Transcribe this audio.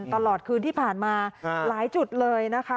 ตลอดคืนที่ผ่านมาหลายจุดเลยนะคะ